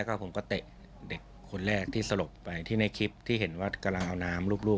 แล้วก็ผมก็เตะเด็กคนแรกที่สลบไปที่ในคลิปที่เห็นว่ากำลังเอาน้ำรูป